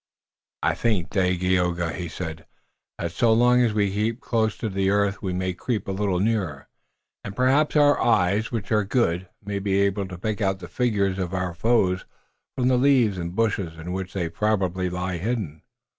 "I think, Dagaeoga," he said, "that so long as we keep close to the earth we may creep a little nearer, and perhaps our eyes, which are good, may be able to pick out the figures of our foes from the leaves and bushes in which they probably lie hidden."